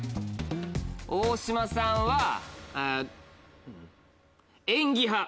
大島さんは演技派。